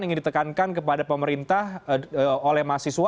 ingin ditekankan kepada pemerintah oleh mahasiswa